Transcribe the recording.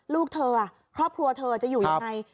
ลูกเธอครอบครัวเธอจะอยู่ยังไง